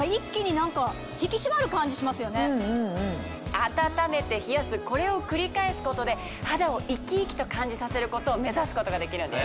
温めて冷やすこれを繰り返すことで肌を生き生きと感じさせることを目指すことができるんです。